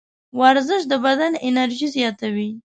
ورزش د بدن انرژي زیاتوي.